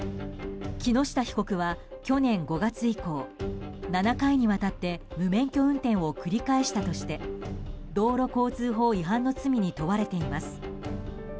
木下被告は去年５月以降７回にわたって無免許運転を繰り返したとして道路交通法違反の罪に問われています。